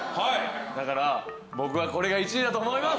だから僕はこれが１位だと思います！